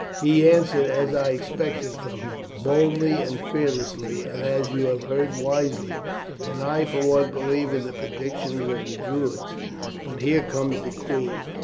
He answered as I expected from him, boldly and fearlessly, and, as you have heard wisely, and I for one believe in the predictions of the Druids. But here comes the queen."